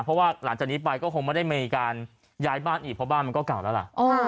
เพราะว่าหลังจากนี้ไปก็คงไม่ได้มีการย้ายบ้านอีกเพราะบ้านมันก็เก่าแล้วล่ะ